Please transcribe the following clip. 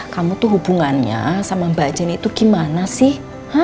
kamu tuh hubungannya sama mbak jenny itu gimana sih